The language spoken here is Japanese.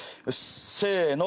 せの！